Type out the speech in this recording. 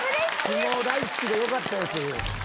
相撲大好きでよかったです。